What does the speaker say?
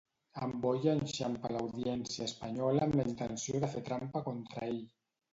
En Boye enxampa l'Audiència espanyola amb la intenció de fer trampa contra ell.